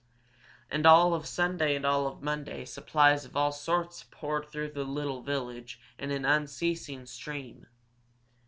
And all of Sunday and all of Monday supplies of all sorts poured through the little village in an unceasing stream.